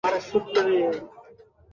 আমি একজন মনোবিজ্ঞানী।